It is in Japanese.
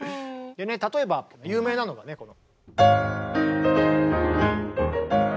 例えば有名なのがねこの。